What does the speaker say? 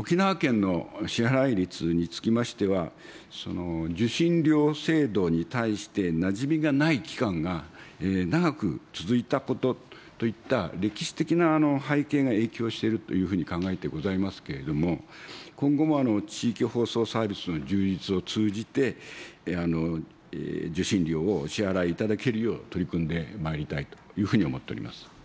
沖縄県の支払率につきましては、受信料制度に対してなじみがない期間が長く続いたことといった歴史的な背景が影響しているというふうに考えてございますけれども、今後も地域放送サービスの充実を通じて、受信料をお支払いいただけるよう、取り組んでまいりたいというふうに思っております。